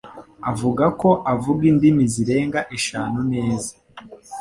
avuga ko avuga indimi zirenga eshanu neza